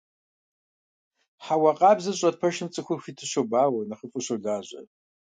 Хьэуа къабзэ зыщӀэт пэшым цӀыхур хуиту щобауэ, нэхъыфӀу щолажьэ.